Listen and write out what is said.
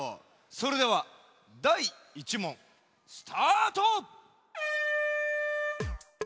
それではだい１もんスタート！